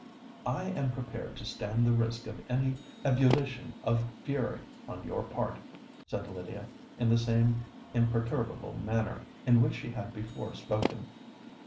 "I am prepared to stand the risk of any ebullition of fury on your part," said Lydia, in the same imperturbable manner in which she had before spoken.